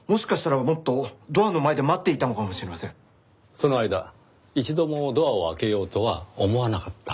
その間一度もドアを開けようとは思わなかった？